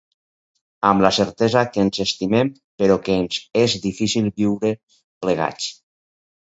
Amb la certesa que ens estimem però que ens és difícil viure plegats.